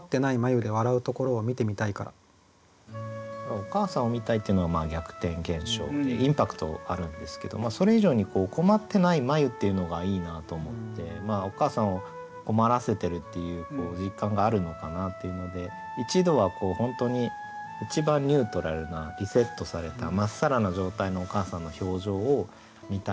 「おかあさんを産みたい」っていうのは逆転現象でインパクトあるんですけどそれ以上に「困ってない眉」っていうのがいいなと思っておかあさんを困らせてるっていう実感があるのかなっていうので一度は本当に一番ニュートラルなリセットされたまっさらな状態のおかあさんの表情を見たいのかなと。